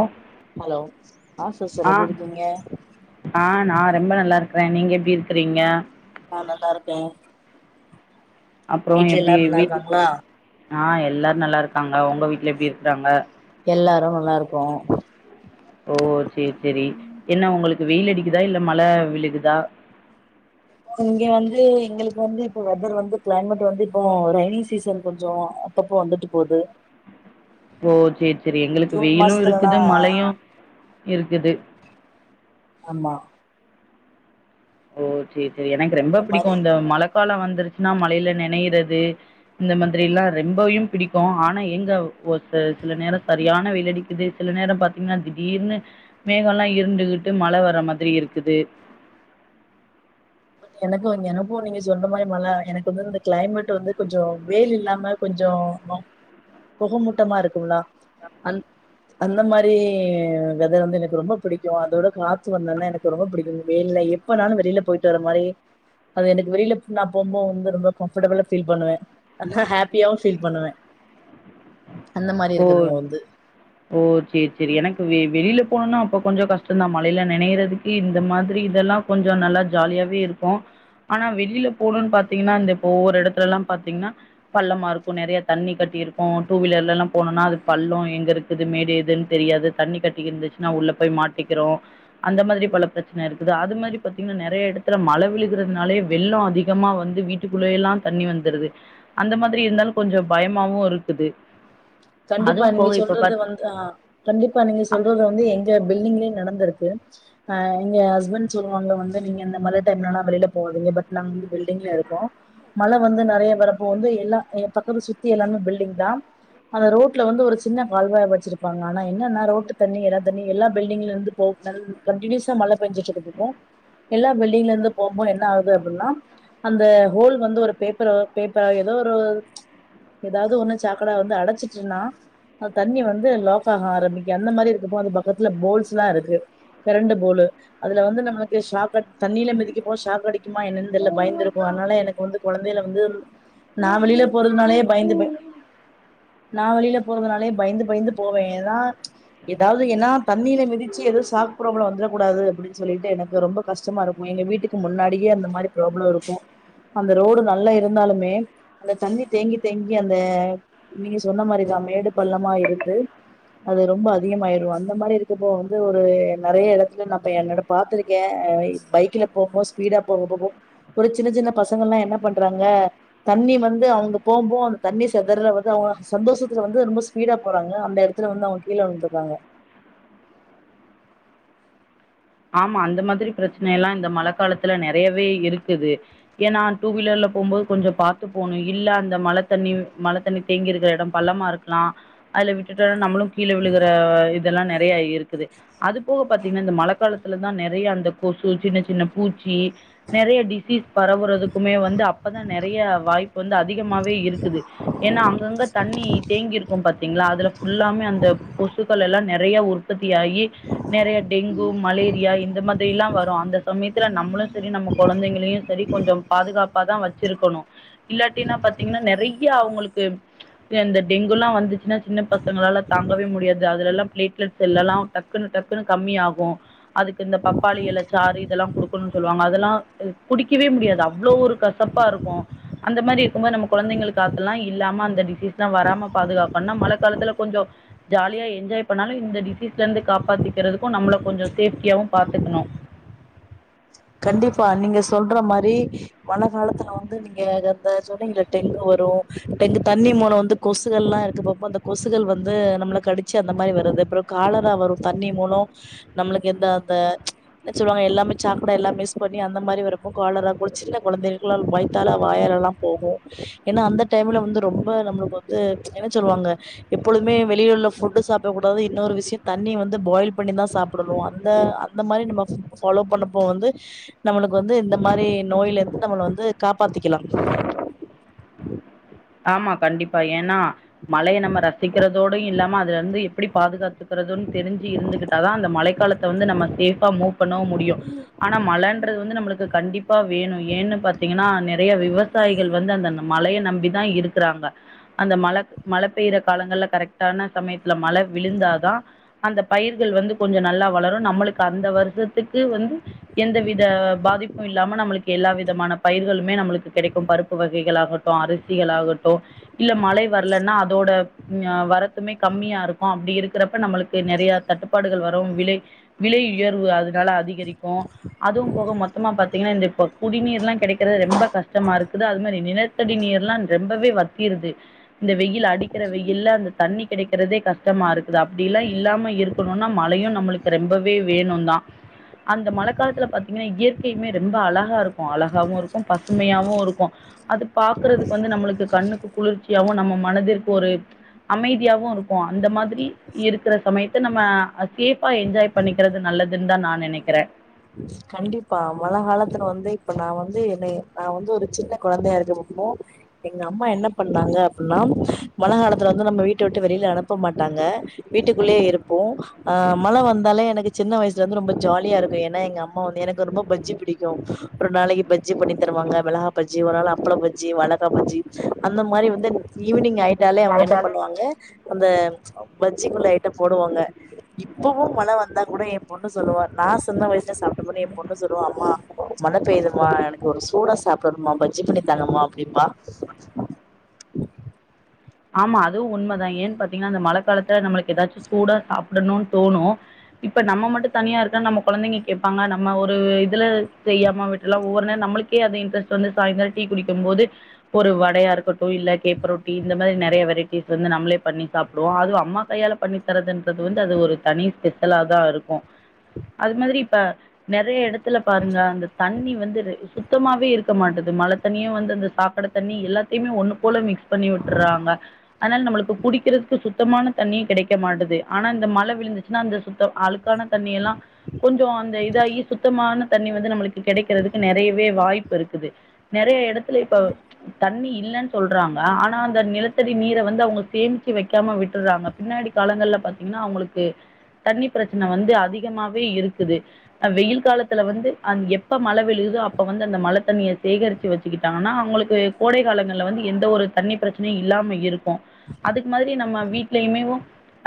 அ hello ஆ sister எப்டி இருக்கீங்க ஆ நா ரொம்ப நல்லாருக்குறே நீங்க எப்டி இருக்குறீங்க நா நல்லா இருக்கே அப்றோ வீட்ல எப்டி எல்லாரு நல்லா வீட்ல இருக்காங்களா ஆ எல்லாரு நல்லா இருக்காங்க ஒங்க வீட்ல எப்டி இருக்குறாங்க எல்லாரு நல்லா இருக்கோ ஓ சேரி சேரி என்ன உங்களுக்கு வெயில் அடிக்குதா இல்ல மழ விழுகுதா இங்க வந்து எங்களுக்கு வந்து இப்ப வெதர் வந்து கிளைமேட் வந்து இப்போ ரெய்னி சீசன் கொஞ்சோ அப்பப்போ வந்துட்டு போது ஓ சேரி சேரி எங்களுக்கு ஜூன் வெயிலு மாசத்துலல்லா இருக்குது மழையு இருக்குது ஆமா ஓ சேரி சேரி எனக்கு ரெம்ப அந்த பிடிக்கு மாரி இந்த மழக்கால வந்துருச்சுன்னா மழையில நெனையறது இந்த மாதிர எல்லா ரெம்பையு பிடிக்கு ஆனா எங்க ஒரு சில சில நேரம் சரியான வெயில்லடிக்குது சில நேரம் பாத்தீங்கன்னா திடீர்னு மேகோ எல்லா இருண்டுகிட்டு மழ வர மாதிரி இருக்குது பட் எனக்கு எனக்கு நீங்க சொன்ன மாரி மழ எனக்கு வந்து இந்த கிளைமேட் வந்து கொஞ்சோ வெயில் இல்லாம கொஞ்சோ பொகமூட்டமா இருக்கும்ல அந் அந்த மாரி வெதர் வந்து எனக்கு ரொம்ப பிடிக்கு அதோட காத்து வந்தோனா எனக்கு ரொம்ப பிடிக்கு வெயில் லயே இப்ப நானு வெளில போயிட்டு வர மாரி அது எனக்கு வெளியில நா போம் போது வந்து ரொம்ப கம்ஃபர்டபிளா ஃபீல் பண்ணுவே அத ஹாப்பியாவு ஃபீல் பண்ணுவே அந்த மாரி ஓ! இருக்குது வந்து ஓ சேரி சேரி எனக்கு வெ வெளியில போனணும்னா அப்போ கொஞ்சோ கஷ்டம்தா மழையில நெனைையறதுக்கு இந்த மாரி இதெல்லா கொஞ்ச நல்லா ஜாலியாவே இருக்கு ஆனா வெளியில போனுன்னு பாத்தீங்கன்னா இந்த இப்ப ஒவ்வொரு எடத்துல எல்லா பாத்தீங்கன்னா பள்ளமா இருக்கு நெறைய தண்ணி கட்டி இருக்கு டூ வீலர்ல எல்லா போனுனா அது பள்ளோ எங்க இருக்குது மேடு எதுன்னு தெரியாது தண்ணி கட்டி இருந்துச்சுன்னா உள்ள போய் மாட்டிக்கிறோ அந்த மாரி பல பிரச்சனை இருக்குது அது மாரி பாத்தீங்கன்னா நெறைய இடத்துல மழை விழுகுறிறதுனாலே வெள்ளோ அதிகமா வந்து வீட் கள்ள எல்லா தண்ணி வந்துடுது அந்த மாதிரி இருந்தாலு கொஞ்சோ பயமாவு இருக்குது கண்டிப்பா அதுவும் நீங்க போக இப்ப சொல்றது பார்த்தி வந்து ஆ கண்டிப்பா நீங்க சொல்றது வந்து எங்க பில்டிங்லயே நடந்துருக்கு அ இங்க ஹஸ்பண்ட் சொல்லுவாங்க வந்து நீங்க இந்த மழ டைம்லலா வெளியில போகாதீங்க பட் நாங்க வந்து பில்டிங்ல இருக்கோ மழை வந்து நெறைய வரப்போ வந்து எல்லா எப் பக்கத்து சுத்தி எல்லாமே பில்டிங் தா அந்த ரோட்ல வந்து ஒரு சின்ன கால்வாய வச்சிருப்பாங்க ஆனா என்னன்னா ரோட்டு் தண்ணி ஏதா தண்ணி எல்லா பில்டிங்ல இருந்து போ [unintelligible] கண்டினியூஸா மழ பெஞ்சிட்டு இருக்கரத்க்கு எல்லா பில்டிங்லருந்து போக போக என்ன ஆகுது அப்டின்னா அந்த ஹோல் வந்து ஒரு பேப்பரு பேப்பர் ஏதோ ஒரு ஏதாது ஒண்ணு சாக்கட வந்து அடச்சிச்சின்னா அ தண்ணி வந்து லாக்காக ஆரம்பிக்க அந்த மாரி இருக்கப்போ அது பகத்தல போல்ஸ் லா இருக்கு கரண்டு போளு அதுல வந்து நம்மளுக்கு ஷாக் அ தண்ணியில மிதிக்க போ ஷாக் அடிக்குமா என்னனு தெர்ல பயந்திருக்கு அதனால எனக்கு வந்து கொழந்தயில வந்து நா வெளியில போறதனாலே பயந்து பய நா வெளியில போறதனாலே பயந்து பயந்து போவே எதனா எதாவது ஏனா தண்ணில மிதிச்சி ஏதோ சாக் ப்ராப்ளம் வந்துட கூடாது அப்டினு சொலிட்டு எனக்கு ரொம்ப கஷ்டமா இருக்கு எங்க வீட்டுக் கு முன்னாடியே அந்த மாரி ப்ராப்ளோ இருக்கு அந்த ரோட் நல்லா இருந்தாலுமே அந்த தண்ணி தேங்கித் தேங்கி அந்த மி சொன்ன மாரிதா மேடு பள்ளமா இருந்து அது ரொம்ப அதிகமாயிரு அந்த மாரி இருக்கப்போ வந்து ஒரு நெறய இடத்துல நா போய் நடப் பாத்திருக்கே அ பைக்ல போபோது ஸ்பீடா போக போகு ஒரு சின்னச் சின்ன பசங்கலா என்ன பண்றாங்க தண்ணி வந்து அவுங்க போம்போது அந்த தண்ணி செதற விதோ சந்தோஷதுல வந்து ரொம்ப ஸ்பீடா போறாங்க அந்த எடத்துல வந்து அவுங்க கீழ விழுந்திருங்க ஆமா அந்த மாதிரி பிரச்சன எல்லா இந்த மழ காலத்தல நெறையவே இருக்குது ஏனா டூ வீலர்ல போம்போது கொஞ்சோ பாத்து போனு இல்ல அந்த மழ தண்ணி மழ தண்ணி தேங்கி இருக்கிற எடோ பள்ளமா இருக் கலா அதல விட்டுட்ட நம்மளு கீழ விழுகற இதெல்லா நெறைய இருக்குது அது போக பாத்தீங்கனா இந்த மழைக்கால த்துல தா நெறைய அந்த கொசு சின்ன சின்ன பூச்சி நெறைய டிசீஸ் பரவுறதுக்குமே வந்து அப்பதா நெறைய வாய் ப்பு வந்து அதிகமாவே இருக்குது ஏனா அங்கங்க தண்ணி தேங்கி இருக்கு பாத்தீங்களா அதுல ஃபுல்லாமே அந்த கொசுக்கள் எல்லா நெறைய உற்பத்தி ஆகி நெறைய டெங்கு மலே ரியா இந்த மாதிரிலா வரு அந்த சமயத்துல நம்மளு சரி நம்ம கொழந்தங்களையு சரி கொஞ்சொ பாதுகாப்பா தா வ ச்சிருக்கணு இல்லாட்டினா பாத்தீங்கனா நெறைய அவங்களுக்கு அந்த டெங்குலா வந்துச்சுனா சின்ன பசங்களால தாங்கவே முடியாது அதலல்ல பிளேட்லெட் செல்லல்லா டக்குனு டக்குனு கம்மி ஆகு அதுக்கு இந்த பப்பாளி எல சாறு இதெல்லா குடுக்கணுன்னு சொல்லுவாங்க அதெல்லா குடிக்கவே முடியாது அவ்ளோ ஒரு கசப் பா இருக்கு அந்த மாரி இருக்கும்போது நம்ம கொழந்தங்களுக்கு அதெல்லா இல்லாம அந்த டிசீஸ்ல்லா வராம பாதுகாக்கணுனா மழ காலத்தல கொஞ்சொ ஜாலியா என்ஜாய் பண்ணாலு இந்த டிசீஸ்ல இருந்து காப்பாத்திகறதுக்கு நம்மள கொஞ்சொ சேஃப்டியாவு பாத்துக்கணு கண்டிப்பா நீங்க சொல்ற மாரி மழ காலத்தல வந்து நீங்க அந்த சொன்னீங்களே டெங்கு வரு டெங்கு தண்ணி மூலோ வந்து கொசுகள்லா இருக்கு பாப்பா அந்த கொசுகள் வந்து நம்மள கடிச்சி அந்த மாரி வருது அப்புறோ காலரா வரு தண்ணி மூலோ நம்மளுக்கு எந்த அந்த என்ன சொல்லுவாங்க எல்லாமே ச ப்புட எல்லா மிஸ் பண்ணி அந்த மாரி வரப்போ காலரா கு சின்ன கொழந்தகளுக்குளா வயித்தால வாயாலலா போகு ஏனா அந்த டைம்ல வந்து ரொம்ப நம்மளுக்கு வந்து என்ன சொல்லுவாங்க எப்பொழுமே வெளியில உள்ள ஃபுட்டு சாப்ட கூடாது இன்னொரு விஷயொ தண்ணி வந்து பாய்ல் பண்ணி தா சாப்டணு அந்த அந் அந்த மாரி நம்ம ஃப் ஃபாலோ பண்ண ப்போ வந்து நம்மளுக்கு வந்து இந்த மாரி நோய்லருந்து நம்மள வந்து காப்பாதிக்கலா ஆமா கண்டிப்பா ஏனா மழைய நம்ம ரசிக்கிறதோடயு இல்லாம அதுல இருந்து எப்டி பாதுகாத் துக்குறதுனு தெரிஞ்சு இருந்துகிட்டாதா அந்த மழைக்காலத்த வந்து நம்ம சேஃபா மூவ் பண்ணவு முடியு ஆனா மழன்றது வந்து நம்ளுக்கு கண்டிப்பா வேணு ஏன்னு பாத்தீங்கனா நெறைய விவசாயிகள் வந்து அந்தன மழைய நம்பி தா இருக்குறாங்க அந்த மழ மழ பெயிற காலங்கள்ல கரக்டான சமயத்துல மழ விழுந்தாதா அந்த பயிர்கள் வந்து கொஞ்சோ நல்லா வளரு நம்மளுக்கு அந்த வருஷத்துக்கு வந்து எந்த வித பாதிப்பு இல்லாம நம்மளுக்கு எல்லா விதமான பயிர்களுமே நம்ளுக்கு கெடைக்கு பருப்பு வகைகள் ஆகட்டு அரிசிகள் ஆகட்டு இல்ல மழை வர்லன்னா அதோட ம் அ வரப்புமே கம்மியா இருக்கு அப்டி இருக்குறப்ப நம்மளுக்கு நெறைய தட்டுப்பாடுகள் வரு விலை விலை உயர்வு அதுனால அதிகரிக்கு. அதுவு போக மொத்தமா பாத்தீங்கன்னா இந்த இப்ப குடிநீர் எல்லா கெடைக்குற ரொம்ப கஷ்டமா இருக்குது அது மாரி நிலத்தடி நீர் ரொம்பவே வத்திருது இந்த வெயில் அடிக்குற வெயில்ல அந்த தண்ணி கெடைக்குறதே கஷ்டமா இரு குது அப்டில்லா இல்லாம இருக்கணுனா மழையு நம்மளு கு ரொம்பவே வேணுதா அந்த மழ காலத்துல பாத்தீங்கன்னா இயற்கையுமே ரொம்ப அழகா இரு க்கு அழகாவு இருக்கு பசுமையாவு இருக்கு அது பாக்குறதுக்கு வந்து நம்மளுக்கு கண்ணுக்கு குளிர் ச்சியாவு நம்ம மனதிற்கு ஒரு அமைதியாவு இருக்கு அந்த மாதிரி இருக்குற சமய த்த நம்ம சேஃபா என்ஜாய் பண்ணிக்குறது நல்லதுன்தா நா நெனைக்குறே. கண்டிப்பா மழ காலத்துல வந்து இப்ப நா வந்து என்னை நா வந்து ஒரு சின்ன கொழந்தையா இருக்கப்போ எங்க அம்மா என்ன பண்ணாங்க அப்டின்னா மழ காலத்துல வந்து நம்ம வீட்ட விட்டு வெளில அனுப்பமாட்டாங்க. வீட்டுக்குள்ளயே இருப்போ. அ மழ வந்தாலே எனக்கு சின்ன வயசுல இருந்து ரொம்ப ஜாலியா இருக்கு எ ன்னா எங்க அம்மா வந்து எனக்கு ரொம்ப பஜ்ஜி பிடிக்கு ஒரு நாளைக்கு பஜ்ஜி பண்ணி தருவாங்க. மெளகா பஜ்ஜி ஒரு நாள் அப்பள பஜ்ஜி, வாழக்கா பஜ்ஜி அந்த மாரி வந்து, ஈவினிங் ஆயிட்டாலே அவுங்க என்ன நெனைக்கிறேன். பண்ணுவாங்க அந்த பஜ்ஜிக்குள்ள அயிட்டோ போடுவாங்க இப்பவு மழ வந்தா கூட ஏ பொண்ணு சொல்லுவா நா சொன்ன வயசு, சாப்ட பின் என் பொண்ணு சொல்லுவா அம்மா மழ பெய்துமா எனக்கு ஒரு சூடா சாப்டணுமா பஜ்ஜி பண்ணி தாங்கமா எப்டிப்பா ஆமா அதுவு உண்மதா ஏன்னு பாத்தீங்கன்னா அந்த மழை காலத்துல நம்மளுக்கு ஏதாச்சு சூடா சாப்டணுனு தோணு இப்ப நம்ம மட்டு தனியா இருந்தா நம்ம கொழந்தைங்க கேப்பாங்க நம்ம ஒரு இதுல செய்யாம விடலா ஒவ்வொரு நேரோ நம்மளுக்கு இன்ட்ரெஸ்ட் வந்து சாய்ங்காலோ டீ குடிக்கு போது ஒரு வடையா இருக்கட்டு இல்ல கேப்பரோட்டீ இந்த மாரி நறயா வெரைட்டீஸ் வந்து நம்மளே பண்ணி சாப்டுவோ அதுவு அம்மா கையால பண்ணி தரதுன்றது வந்து அது ஒரு தனி ஸ்பெசல். நல்லாதா இருக்கு அது மாரி இப்ப நறயா இடத்து த்துல பாருங்க அந்த தண்ணி வந்து சுத்தமாவே இருக்க மாட்டிது மழ தண்ணியே வந்து அந்த சாக்கடை தண்ணி எல்லாத்தயுமே ஒன்னு போல மிக்ஸ் பண்ணி வி றாங்க அனால நம்மளுக்கு குடிக்கறக்கு சுத்தமான தண்ணியு கெடைக்க மாட்டுது ஆனா இந்த மழை விழுந்துச்சுன்னா அந்த சுத்த ஆளுக்கான தண்ணிய எல்லா கொஞ்சோ அந்த இதாகி சுத்தமான தண்ணி வந்து நம்மளுக்கு கெடைக்கறதுக்கு நிறையவே வாய்ப்பு இருக்குது நறைய இடத்துல இப்ப, தண்ணி இல்லன்னு சொல்றாங்க ஆனா அ நிலத்தடி நீர வந்து அவுங்க சேமிச்சு வைக்காம விட்டறாங்க பின்னாடி காலங்கல்ல பாத்தீங்கன்னா அவங்களுக்கு தண்ணி பிரச்சன வந்து அதிகமாவே இருக்குது வெயில் காலத்துல வந்து அ எப்ப மழ விழுகுதோ அப்ப வந்து அந்த மழ தண்ணிய சேகரிச்சு வச்சு கிட்டாங்கன்னா அவுங்களுக்கு கோடை காலங்கள்ல வந்து எந்த ஒரு தண்ணி பிரச்சனை இல்லாம இருக்கு அதுக்கு மாரி நம்ம வீட்லயுமேவு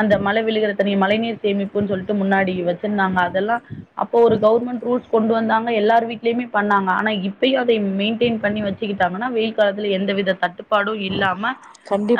அந்த மழ விழுகற தண்ணிய மழை நீர் சேமிப்புன்னு சொல்ட்டு முன்னாடி வச்சிருந்தாங்க அதெல்லாம் அப்போ ஒரு கவர்மெண்ட் ரூல்ஸ் கொண்டு வந்தாங்க, எல்லார் வீட்லயுமே பண்ணாங்க ஆனா இப்பயு அதை மெயின்டெயின் பண்ணி வச்சு மாத்திகிட்டாங்கன்னா வெயில் காலத்தில் எந்தவித தட்டுப்பாடு இல்லாம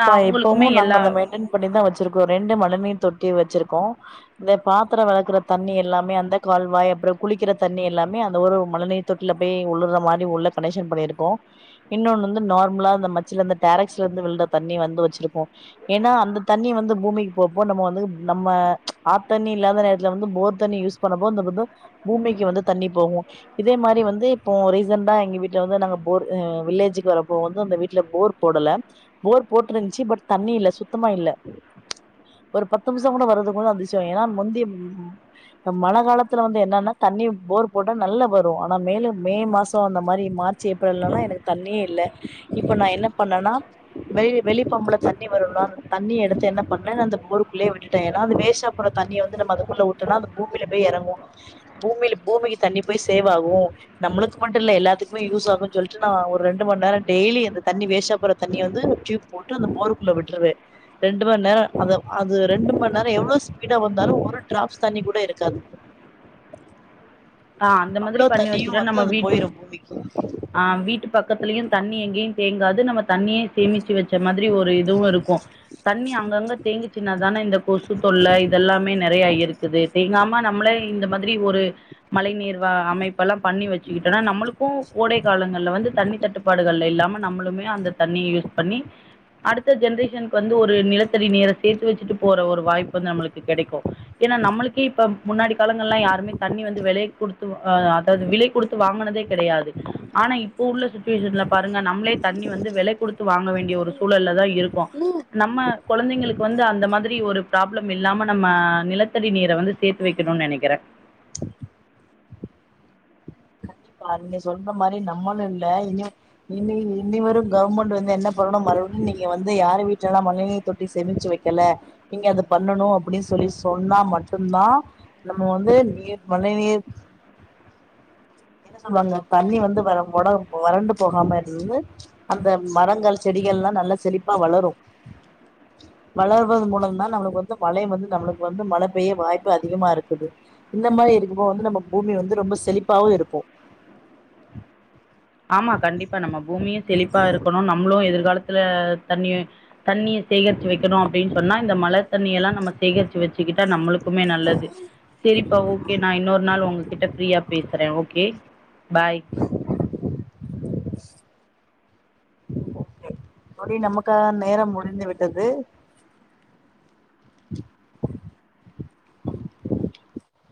அ இப்பவு அவங்களுக்குமே நாங்க எல்லா அதை மெயின்டென் பண்ணிதா வச்சிருக்கோ. ரெண்டு மழ நீர் தொட்டி வச்சிருக்கோ. இந்த பாத்திர வெளக்குற தண்ணி எல்லாமே அந்த கால்வாய் அப்றோ குளிக்கிற தண்ணி எல்லாமே அந்த ஊரு மழைநர் தொட்டில போய் உளுற மாரி உள்ள கனெக்ஷன் பண்ணிருக்கோ இன்னொன்னு வந்து நார்மலா அந்த மச்சர மரத்துல இருந்து விழுற தண்ணி வந்து வச்சிருகோ ஏனா அந்த தண்ணி வந்து பூமிக்கு போப்போக நம்ம வந்து நம்ம ஆத் தண்ணி இல்லாத நேரத்துல வந்து போர் தண்ணி யூஸ் போது இந்த வந்து பூமிக்கு வந்து தண்ணி போகூ இதே மாரி வந்து இப்போ ரீசண்டா எங்க வீட்ல வந்து நாங்க போர் வில்லேஜுக்கு வரப்போ வந்து அந்த வீட்ல போர் போடல. போர் போட்டிருந்துச்சு பட் தண்ணி இல்ல சுத்தமா இல்ல ஒரு பத்து நிம்ஷோ கூட வறதுக்குஞ அதிசயோ ஏன்னா முந்திரு மழ காலத்துல வந்து என்னன்னா தண்ணி போர் போட்டா நல்லா வரு ஆனா மேலும் மே மாசோ அந்த மாதரி மார்ச் செய்ப்பறலனா எனக்கு தண்ணியே இல்ல! இப்போ நா என்ன பண்ணன வெளி வெளிப்பம்புல தண்ணி வரணும்ல தண்ணி எடுத்து என்ன பண்ண அந்த போருக்குள்ளேயே விட் விட்ட ஏன்னாஅந்த வேஸ்ட்டா போற தண்ணிய வந்து நம்ம அதுக்குள்ள விட்டோம்னா அது பூமியில போய் எறங்கும்! பூமில பூமியில் தண்ணி போய் ஃசேவாகு நம்மளுக்கு மட்டுயில்ல எல்லாத்துக்குமே யூஸ் ஆகன்னு சொல்லிட்டு, நா ஒரு ரெண்டு மணி நேரோ டெய்லியு இந்த தண்ணி வேசஸ்ட்டா போற தண்ணிய வந்து டியூப் போட்டு அந்த போருக்குள்ள விட்ருவே ரெண்டு மணி நேரோ அது அது ரெண்டு மணி நேரம் எவ்வளவு ஸ்பீடா வந்தாலும் ஒரு ட்ராப்ஸ் தண்ணி கூட இருக்காது [inaudible] ஆ அந்த மாதிரி அவ்ளோ பண்ணி தண்ணியும் வச்சுட்ட. வந்து நம்ம அது வீட்டு போயிரும் பூமிக்கு ஆ வீட்டு பக்கத்துலயு தண்ணி எங்கேயு தேங்காது நம்ம தண்ணிய சேமிச்சு வச்ச மாதிரி ஒரு இதுவு இருக்கு தண்ணி அங்கங்க தேங்கிச்சின்னா தான இந்த கொசு தொல்ல இதெல்லாமே நெறையா இருக்குது தேங்காம நம்மளே இந்த மாதிரி ஒரு மழை நீர்வா அமைப் பெல்லா பண்ணி வச்சுக்கிட்டோனா நம்மளுக்கு கோடை காலங்கள்ல வந்து தண்ணி தட்டுப்பாடுகள் இல்லாம நம்ளுமே அந்த தண்ணிய யூஸ் பண்ணி அடுத்த ஜென்ரேஷனுக்கு வந்து ஒரு நிலத்தடி நீர சேத்து வச்சுட்டு போற ஒரு வாய்ப்பு வந்து நம்மளுக்கு கெடைக்கு ஏன்னா நம்மளுக்கே இப்ப முன்னாடி காலங்கள்ல்லா யாருமே தண்ணி வந்து வெலை குடுத்து ஆ அதாது விலை குடுத்து வாங்குனதே கெடையாது ஆனா இப்போ உள்ள சிச்சுவேஷன்ல பாருங்க நம்மளே தண்ணி வந்து வெலை குடுத்து வாங்க வேண்டிய ஒரு சூழல்ல தா இருக்கோ நம்ம கொழந்தைங்களுக்கு வந்து அந்த மாதிரி ஒரு ப்ராப்ளம் இல்லாம நம்ம நிலத்தடி நீர வந்து சேத்து வெக்கணுன் நெனைக்கிற கண்டிப்பா நீங்க சொல்ற மாரி நம்மளு இல்ல இனி இனி இனி வரும் கவர்மெண்ட் வந்து என்ன பண்ணணு மறுபடியு நீங்க வந்து யாரு வீட்டுலல்லா மழைநீர் தொட்டி சேமிச்சு வைக் க்கல நீங்க அத பண்ணணு அப்டின்னு சொல்லி சொன்னா மட்டுந்தா நம்ம வந்து நீர் மழை நீர் என்ன சொல்வாங்க தண்ணி வந்து வற கொடம் வறண்டு போகாம இருந்து அந்த மரங்கள் செடிகள்ல்லா நல்ல செழிப்பா வளரு வளர்வதன் மூலம்தா நம்மளுக்கு வந்து மழையும் வந்து நம்மளுக்கு வந்து மழை பெய்ய வாய்ப்பு அதிகமா இருக்குது இந்த மாதிரி இருக்கப்போ வந்து நம்ம பூமி வந்து ரொம்ப செழிப்பாவு இருக்கு ஆமா கண்டிப்பா நம்ம பூமியு செழிப்பா இருக்கணு நம்மளு எதிர்காலத்துல தண்ணி தண்ணிய சேகரிச்சு வைக்கணு அப்டின் சொன்னா இந்த மழ தண்ணியெல்லா நம்ம சேகரிச்சு வச்சுக்கிட்டா நம்மளுக்குமே நல்லது சேரிப்பா ஓகே நா இன்னொரு நாள் உங்ககிட்ட ஃப்ரீயா பேசுற ஓகே பாய் தோழி நமக்கான நேரம் முடிந்துவிட்டது